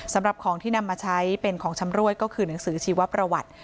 สำหรับของที่นำมาใช้เป็นของชำรวยก็คือหนังสือชีวประวัติ